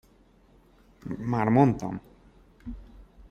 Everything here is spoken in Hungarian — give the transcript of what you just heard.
Már mondtam.